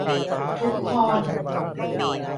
ทุกคน